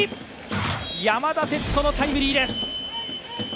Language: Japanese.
山田哲人のタイムリーです。